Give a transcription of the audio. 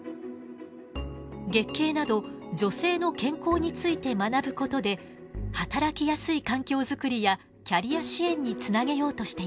月経など女性の健康について学ぶことで働きやすい環境作りやキャリア支援につなげようとしています。